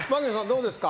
どうですか？